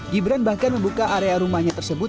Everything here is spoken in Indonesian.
gibran bahkan membuka area rumahnya tersebut